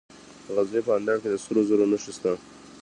د غزني په اندړ کې د سرو زرو نښې شته.